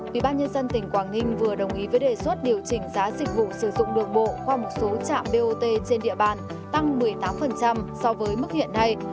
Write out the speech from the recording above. ủy ban nhân dân tỉnh quảng ninh vừa đồng ý với đề xuất điều chỉnh giá dịch vụ sử dụng đường bộ qua một số trạm bot trên địa bàn tăng một mươi tám so với mức hiện nay